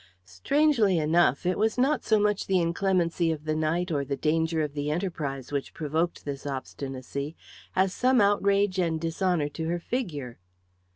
Strangely enough, it was not so much the inclemency of the night or the danger of the enterprise which provoked this obstinacy, as some outrage and dishonour to her figure.